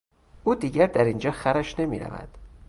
او دیگر در اینجا خرش نمیرود.